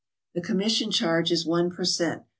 The commission charge is one per cent.